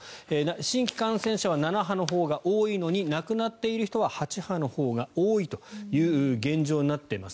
新規感染者は７波のほうが多いのに亡くなっている人は８波のほうが多いという現状になっています。